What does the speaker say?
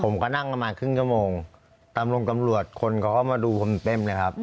ผมก็นั่งประมาณครึ่งกระโมงตามรวมกำลัวคนเขาก็เข้ามาดูผมเต็มเลยครับ